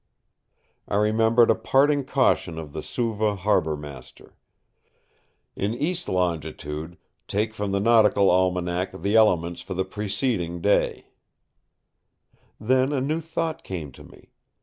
I remembered a parting caution of the Suva harbour master: "In east longitude take from the Nautical Almanac the elements for the preceding day." Then a new thought came to me.